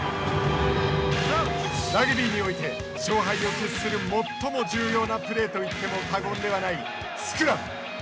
ラグビーにおいて勝敗を決する最も重要なプレートいっても過言ではない、スクラム。